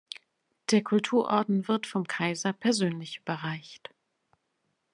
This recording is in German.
Der Kulturorden wird vom Kaiser persönlich überreicht.